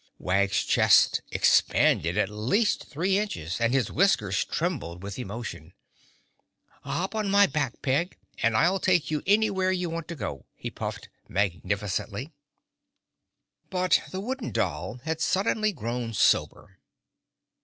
Wag's chest expanded at least three inches and his whiskers trembled with emotion. "Hop on my back Peg and I'll take you anywhere you want to go," he puffed magnificently. But the Wooden Doll had suddenly grown sober.